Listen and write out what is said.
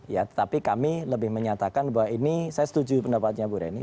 ya tetapi kami lebih menyatakan bahwa ini saya setuju pendapatnya bu reni